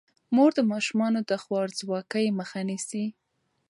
مور د ماشومانو د خوارځواکۍ مخه نیسي.